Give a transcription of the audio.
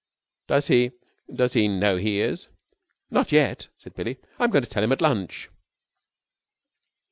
"Does he does he know he is?" "Not yet," said Billie. "I'm going to tell him at lunch."